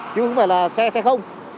chứ không phải là xe xe không